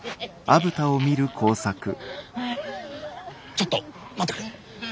ちょっと待ってくれ。